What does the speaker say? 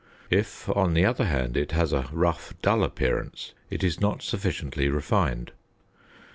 If, on the other hand, it has a rough, dull appearance, it is not sufficiently refined.